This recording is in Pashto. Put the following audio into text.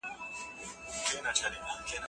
د اله اباد پوهنتون پرېکړه ډېره مهمه ده.